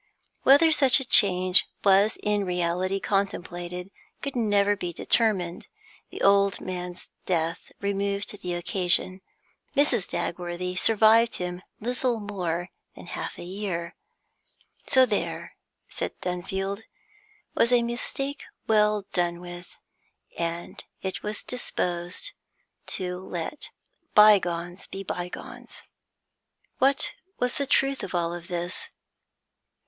Whether such a change was in reality contemplated could never be determined; the old man's death removed the occasion. Mrs. Dagworthy survived him little more than half a year. So there, said Dunfield, was a mistake well done with; and it was disposed to let bygones be bygones. What was the truth of all this?